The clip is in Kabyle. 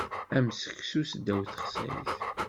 Am seksu seddaw texsayt.